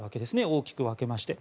大きく分けまして。